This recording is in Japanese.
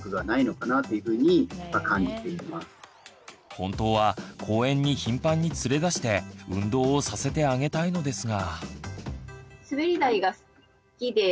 本当は公園に頻繁に連れ出して運動をさせてあげたいのですが。